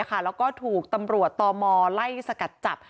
แล้วก็ถูกตำรวจตมไล่สกัดจับ